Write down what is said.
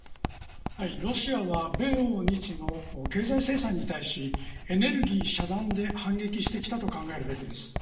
ロシアは米欧日の経済制裁に対しエネルギー遮断で反撃したと考えるべきです。